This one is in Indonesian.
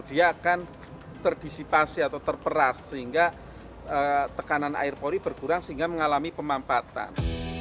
dia akan terdisipasi atau terperas sehingga tekanan air pori berkurang sehingga mengalami pemampatan